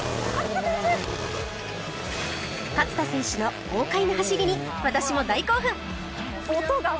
勝田選手の豪快な走りに私も大興奮！